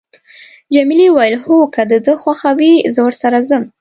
جميلې وويل: هو، که د ده خوښه وي، زه ورسره ځم.